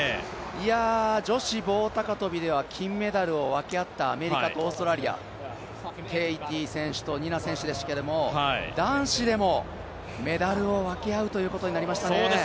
女子棒高跳では金メダルを分け合ったアメリカとオーストラリア、ケイティ選手とニナ選手でしたけど男子でもメダルを分け合うということになりましたね。